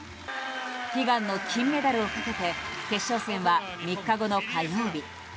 悲願の金メダルをかけて決勝戦は３日後の火曜日。